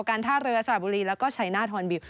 การท่าเรือสวัสดีแล้วก็ใช้หน้าทอนบิล